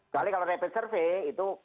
kali kalau rapid survei itu